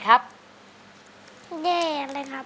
เพลงนี้ที่๕หมื่นบาทแล้วน้องแคน